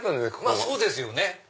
まぁそうですよね。